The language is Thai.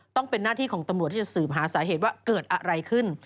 ต้องเป็นหน้าที่ของตำรวจที่จะสืบหาสาเหตุว่าเกิดอะไรขึ้น